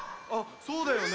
そうだよね。